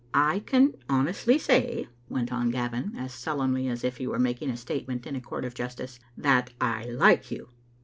" I can honestly say," went on Gavin, as solemnly as if he were making a statement in a court of justice, "that I like you."